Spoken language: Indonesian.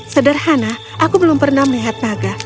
sederhana aku belum pernah melihat naga